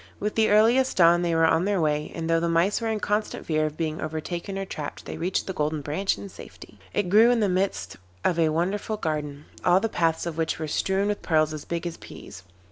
With the earliest dawn they were on their way, and though the Mice were in constant fear of being overtaken or trapped, they reached the Golden Branch in safety. It grew in the midst of a wonderful garden, all the paths of which were strewn with pearls as big as peas.